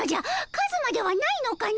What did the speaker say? カズマではないのかの！